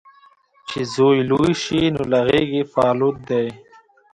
چې زوی لوی شي، نو له غیږې په الوت دی